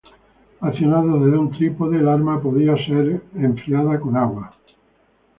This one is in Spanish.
Accionado desde un trípode, el arma podía ser enfriada con agua.